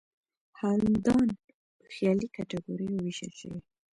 ښاروندان په خیالي کټګوریو ویشل شوي.